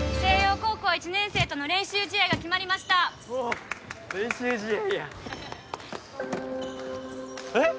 高校１年生との練習試合が決まりました・おお練習試合やえっ！？